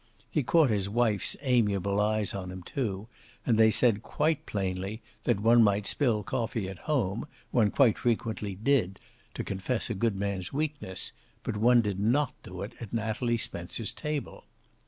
He caught his wife's amiable eyes on him, too, and they said quite plainly that one might spill coffee at home one quite frequently did, to confess a good man's weakness but one did not do it at Natalie Spencer's table.